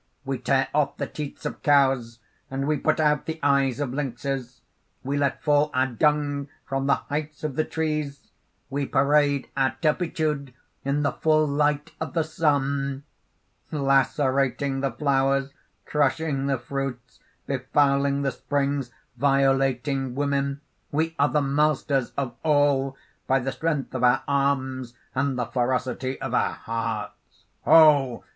"We tear off the teats of cows; and we put out the eyes of lynxes: we let fall our dung from the heights of the trees we parade our turpitude in the full light of the sun. "Lacerating the flowers, crushing the fruits, befouling the springs, violating women, we are the masters of all, by the strength of our arms, and the ferocity of our hearts. "Ho!